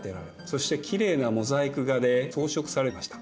そしてきれいなモザイク画で装飾されました。